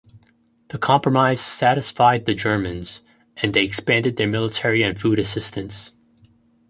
The compromise satisfied the Germans, and they expanded their military and food assistance.